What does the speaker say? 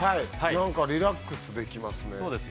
なんかリラックスできますね。